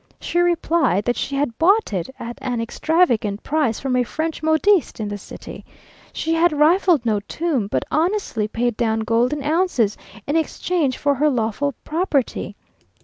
She replied that she had bought it at an extravagant price from a French modiste in the city. She had rifled no tomb, but honestly paid down golden ounces, in exchange for her lawful property.